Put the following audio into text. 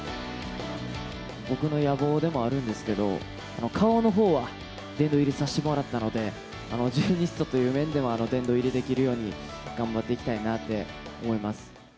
僕の野望でもあるんですけど、顔のほうは、殿堂入りさせてもらったので、ジーニストという面では、殿堂入りできるように頑張っていきたいなって思います。